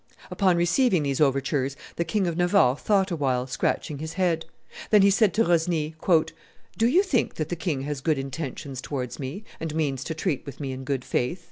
Upon receiving these overtures, the King of Navarre thought a while, scratching his head; then he said to Rosny, "Do you think that the king has good intentions towards me, and means to treat with me in good faith?"